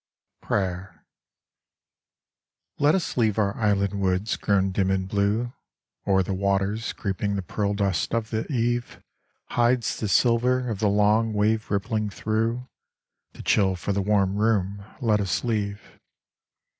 61 LET us leave our island woods grown dim and blue ; O'er the waters creeping the pearl dust of the eve Hides the silver of the long wave rippling through : The chill for the warm room let us leave.